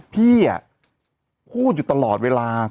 พี่พูดอยู่ตลอดเวลา